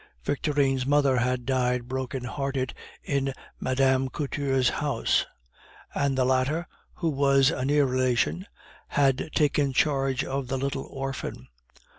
Victorine's mother had died broken hearted in Mme. Couture's house; and the latter, who was a near relation, had taken charge of the little orphan.